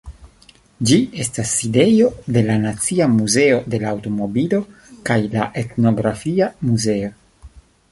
Ĝi estas sidejo de la Nacia Muzeo de la Aŭtomobilo kaj la Etnografia Muzeo.